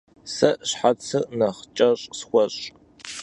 Si şhetsır nexh ç'eş' sxueş'.